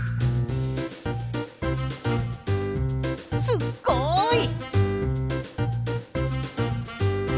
すっごい！